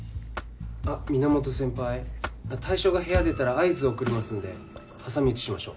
あっ源先輩対象が部屋出たら合図を送りますんで挟み撃ちしましょう。